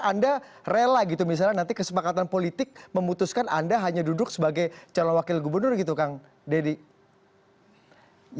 anda rela gitu misalnya nanti kesepakatan politik memutuskan anda hanya duduk sebagai calon wakil gubernur gitu kang deddy